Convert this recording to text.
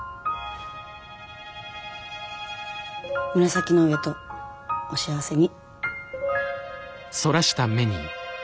紫の上とお幸せに。